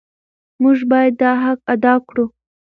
موږ باید دا حق ادا کړو.